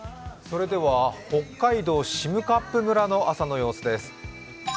それでは北海道占冠村の朝の様子です。